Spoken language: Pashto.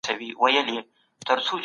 په زحمت به یې ایستله نفسونه